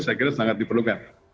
saya kira sangat diperlukan